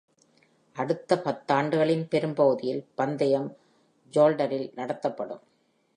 அடுத்த பத்தாண்டுகளின் பெரும்பகுதியில் பந்தயம் ஜோல்டரில் நடத்தப்படும்.